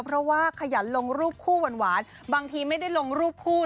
เพราะว่าขยันลงรูปคู่หวานบางทีไม่ได้ลงรูปคู่